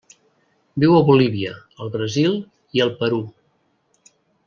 Viu a Bolívia, el Brasil i el Perú.